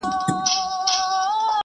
د تېرو خلګو ژوند موږ ته عبرت دی.